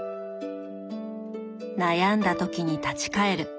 悩んだ時に立ち返る。